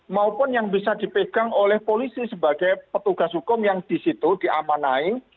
maupun yang bisa dipegang oleh polisi sebagai petugas hukum yang di situ diamanai